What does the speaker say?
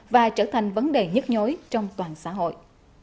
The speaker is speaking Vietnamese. và trở thành vấn đề nhức nhối trong toàn xã hội